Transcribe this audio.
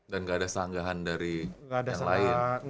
dan gak ada sanggahan dari yang lain